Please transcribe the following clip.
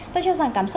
tôi chưa rằng cảm xúc